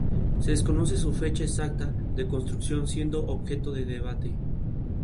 La pesca deportiva es su actividad predominante.